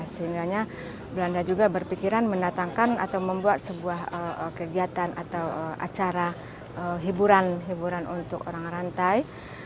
sehingganya belanda juga berpikiran mendatangkan atau membuat sebuah kegiatan atau acara hiburan hiburan untuk orang rantai